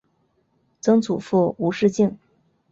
曾祖父吴仕敬。